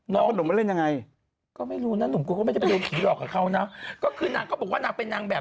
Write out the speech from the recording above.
น้องก็ไม่รู้นะหนุ่มกูก็ไม่ได้ไปโดนขี่หรอกกับเขานะก็คือนางก็บอกว่านางเป็นนางแบบ